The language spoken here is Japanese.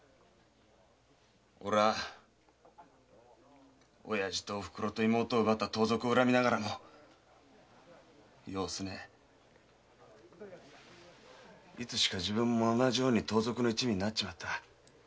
俺は親父とおふくろと妹を奪った盗賊を恨みながらも世をすねいつしか自分も同じように盗賊の一味になっちまった。